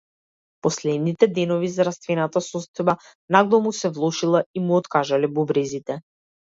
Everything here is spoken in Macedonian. Последните денови здравствената состојба нагло му се влошила и му откажале бубрезите.